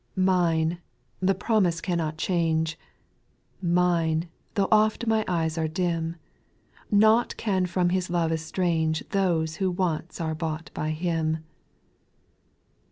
Mine, the promise cannot change, Mine, though oft my eyes are dim ;— Nought can from His love estrange Those who once are bought by Him.